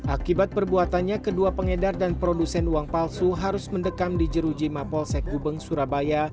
akibat perbuatannya kedua pengedar dan produsen uang palsu harus mendekam di jeruji mapolsek gubeng surabaya